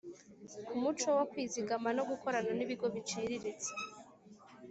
Umuco wo kwizigama no gukorana n’ ibigo biciriritse